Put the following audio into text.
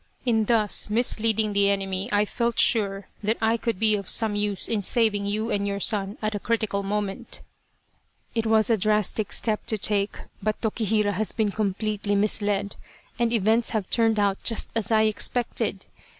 In thus misleading the enemy I felt sure that I could be of some use in saving you and your son at a critical moment. It was a drastic step to take, but Tokihira has been completely misled, and events have turned out just as I expected.